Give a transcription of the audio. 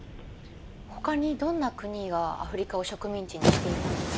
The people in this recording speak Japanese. ほかにどんな国がアフリカを植民地にしていたんですか？